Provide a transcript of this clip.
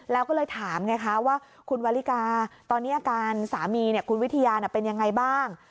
แล้วก็เลยถามไงคะว่าคุณวาริกาตอนนี้อาการสามีคุณวิทยาเป็นยังไงบ้าง